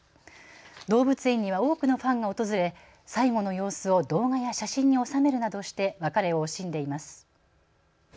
動物園には多くのファンが訪れ最後の様子を動画や写真に収めるなどして別れを惜しんでいます。